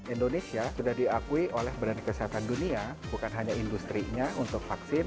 indonesia sudah diakui oleh bnkd bukan hanya industri untuk vaksin